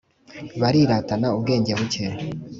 Bariratana ubwenge buke.